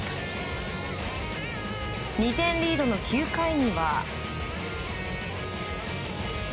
２点リードの９回には。